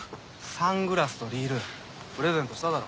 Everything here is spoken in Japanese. サングラスとリールプレゼントしただろ？